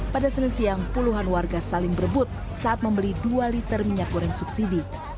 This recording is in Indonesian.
pada sel siang puluhan warga saling berebut saat membeli dua liter minyak goreng subsidi